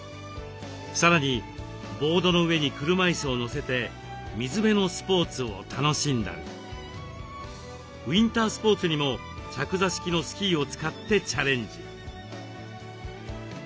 さらにボードの上に車いすを載せて水辺のスポーツを楽しんだりウインタースポーツにも着座式のスキーを使ってチャレンジ。